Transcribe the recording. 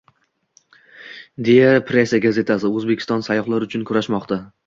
“Die Presse” gazetasi: Oʻzbekiston sayyohlar uchun kurashmoqda!